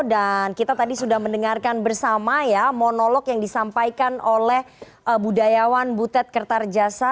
dan kita tadi sudah mendengarkan bersama ya monolog yang disampaikan oleh budayawan butet kertarjasa